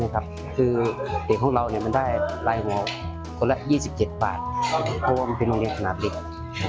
คือเด็กของเรามันได้รายหัวคนละ๒๗บาทเพราะว่ามันเป็นโรงเรียนขนาดเด็ก